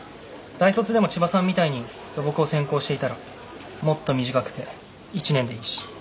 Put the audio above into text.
大卒でも千葉さんみたいに土木を専攻していたらもっと短くて１年でいいし。